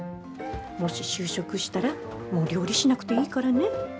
もし就職したらもう料理しなくていいからね。